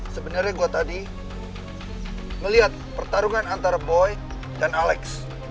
sebenernya gue tadi ngeliat pertarungan antara boy dan alex